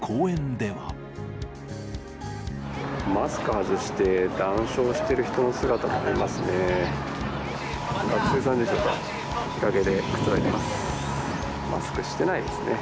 マスク外して談笑している人の姿がありますね。